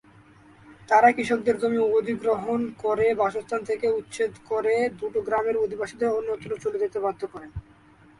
তারাই কৃষকদের জমি অধিগ্রহণ করে, বাসস্থান থেকে উচ্ছেদ করে দুটো গ্রামের অধিবাসীদের অন্যত্র চলে যেতে বাধ্য করে।